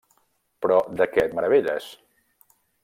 -Però… de què et meravelles?